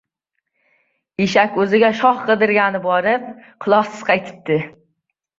• Eshak o‘ziga shox qidirgani borib, quloqsiz qaytibdi.